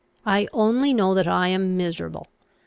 I only know that I am miserable.